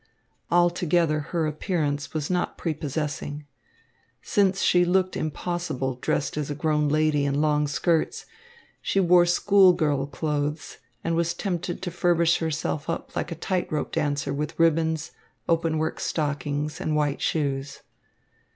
Altogether her appearance was not prepossessing. Since she looked impossible dressed as a grown lady in long skirts, she wore schoolgirl clothes and was tempted to furbish herself up like a tight rope dancer with ribbons, openwork stockings, and white shoes.